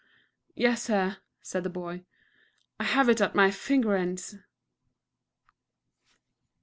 "Yes, Sir," said the boy, "I have it at my finger ends."